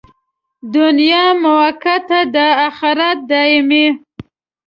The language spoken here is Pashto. دنیا موقته ده، اخرت دایمي.